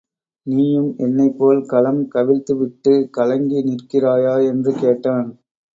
நீயும் என்னைப்போல் கலம் கவிழ்த்துவிட்டுக் கலங்கி நிற்கிறாயா? என்று கேட்டான்.